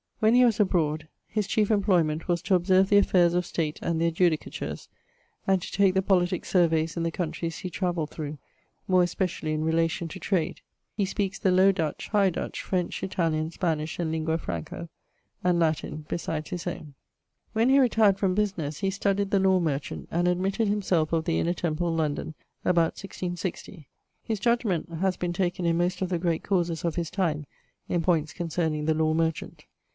When he was abroad, his chiefe employment was to observe the affaires of state and their judicatures, and to take the politique surveys in the countreys he travelled thorough, more especially in relation to trade. He speakes the Low Dutch, High Dutch, French, Italian, Spanish and Lingua Franco, and Latin, besides his owne. When he retired from businesse he studied the Lawe Merchant, and admitted himselfe of the Inner Temple, London, about 1660. His judgment haz been taken in most of the great causes of his time in points concerning the Lawe Merchant.